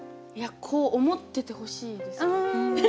こう思っててほしいです。